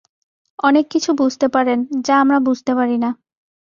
অনেক কিছু বুঝতে পারেন, যা আমরা বুঝতে পারি না।